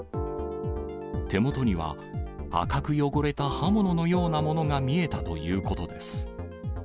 手元には、赤く汚れた刃物のようなものが見えたということです。